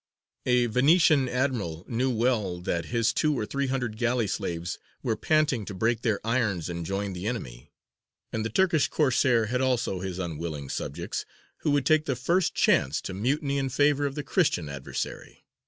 A Venetian admiral knew well that his two or three hundred galley slaves were panting to break their irons and join the enemy; and the Turkish Corsair had also his unwilling subjects, who would take the first chance to mutiny in favour of the Christian adversary.